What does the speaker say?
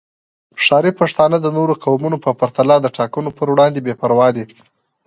ښاري پښتانه د نورو قومونو په پرتله د ټاکنو پر وړاندې بې پروا دي